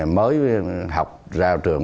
mới học ra trường